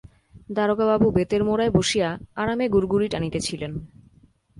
দারোগাবাবু বেতের মোড়ায় বসিয়া আরামে গুড়গুড়ি টানিতেছিলেন।